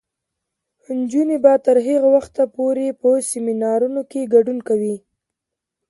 نجونې به تر هغه وخته پورې په سیمینارونو کې ګډون کوي.